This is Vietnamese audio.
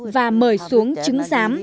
và mời xuống